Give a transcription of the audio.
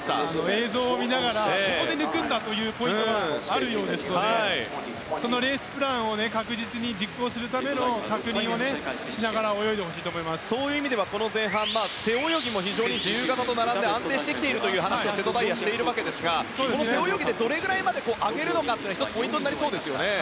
映像を見ながらここで抜くポイントがあるようですのでそのプランを確実に実行するための確認をしながらそういう意味ではこの前半背泳ぎも非常に自由形と並んで安定してきているという話を瀬戸大也はしていますが背泳ぎでどれぐらいまで上げるかがポイントになりそうですね。